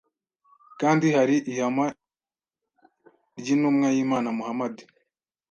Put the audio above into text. kandi hari ihame ry’intumwa y’Imana Muhammad